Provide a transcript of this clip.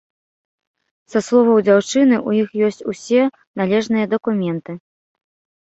Са словаў дзяўчыны, у іх ёсць усе належныя дакументы.